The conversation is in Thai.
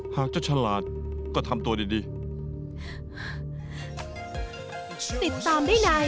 หากจะฉลาดก็ทำตัวดี